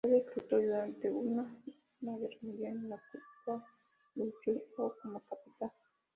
Fue reclutado durante la I Guerra Mundial en la cual luchó como capitán.